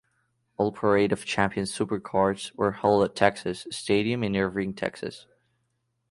All Parade of Champions supercards were held at Texas Stadium in Irving, Texas.